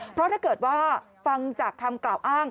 เพราะถ้าเกิดว่าฟังจากคำกล่าวอ้าง